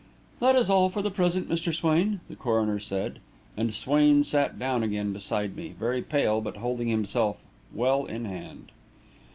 "That is all for the present, Mr. Swain," the coroner said, and Swain sat down again beside me, very pale, but holding himself well in hand.